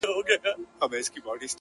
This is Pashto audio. غلط خبرونه ټولنه اغېزمنوي